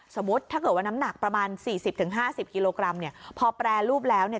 สมมุติถ้าเกิดว่าน้ำหนักประมาณ๔๐๕๐กิโลกรัมเนี่ยพอแปรรูปแล้วเนี่ย